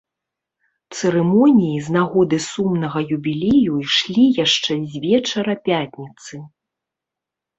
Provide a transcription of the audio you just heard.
Цырымоніі з нагоды сумнага юбілею ішлі яшчэ з вечара пятніцы.